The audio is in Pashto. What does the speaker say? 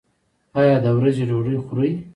ایا د ورځې ډوډۍ خورئ؟